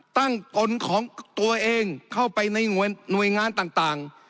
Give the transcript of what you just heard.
กลของตัวเองเข้าไปในหน่วยงานต่าง